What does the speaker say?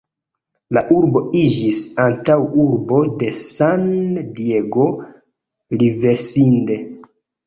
La urbo iĝis antaŭurbo de San-Diego, Riverside.